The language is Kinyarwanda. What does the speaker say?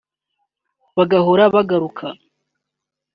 bigahora bigaruka